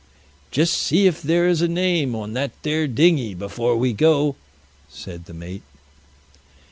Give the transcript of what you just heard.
"Just see if there is a name on that there dinghy, before we go," said the mate.